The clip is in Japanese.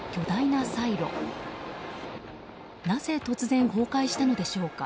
なぜ突然、崩壊したのでしょうか。